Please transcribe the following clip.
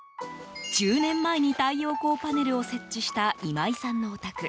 １０年前に太陽光パネルを設置した今井さんのお宅。